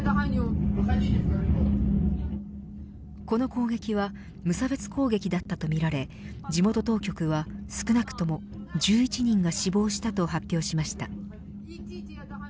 この攻撃は無差別攻撃だったとみられ地元当局は少なくとも１１人が死亡したと発表しました。